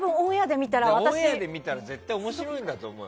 オンエアで見たら絶対面白いと思うよ。